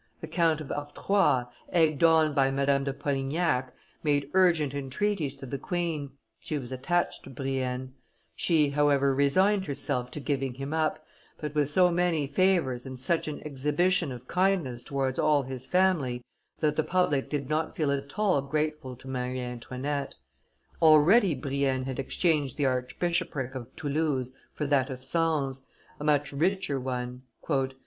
The Count of Artois, egged on by Madame de Polignac, made urgent entreaties to the queen; she was attached to Brienne; she, however, resigned herself to giving him up, but with so many favors and such an exhibition of kindness towards all his family, that the public did not feel at all grateful to Marie Antoinette. Already Brienne had exchanged the archbishopric of Toulouse for that of Sens, a much richer one.